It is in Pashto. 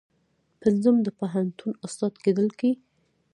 پنځم د پوهنتون استاد کیدل دي.